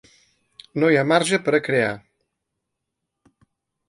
No hi ha marge per a crear.